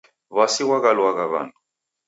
W'asi ghwaghaluagha w'andu.